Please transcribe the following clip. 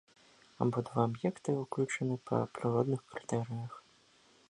Абодва аб'екты ўключаны па прыродных крытэрыях.